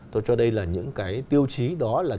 tôi cho đây là những cái tiêu chí đó là